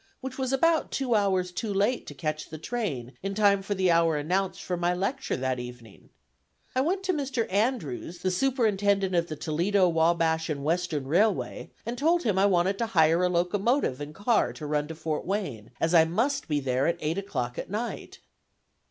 which was about two hours too late to catch the train in time for the hour announced for my lecture that evening. I went to Mr. Andrews, the superintendent of the Toledo, Wabash and Western Railway, and told him I wanted to hire a locomotive and car to run to Fort Wayne, as I must be there at eight o'clock at night.